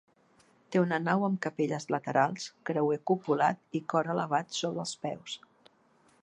Té una nau amb capelles laterals, creuer cupulat i cor elevat sobre els peus.